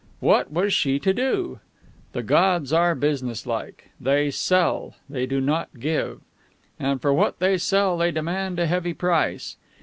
What was she to do? The gods are businesslike. They sell; they do not give. And for what they sell they demand a heavy price.